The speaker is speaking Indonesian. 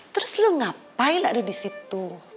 terus lu ngapain gak ada di situ